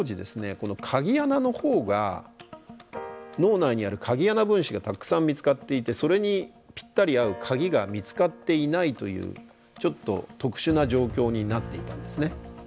この鍵穴のほうが脳内にある鍵穴分子がたくさん見つかっていてそれにぴったり合う鍵が見つかっていないというちょっと特殊な状況になっていたんですね。